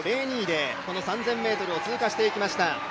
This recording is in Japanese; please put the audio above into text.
３０００ｍを通過していきました。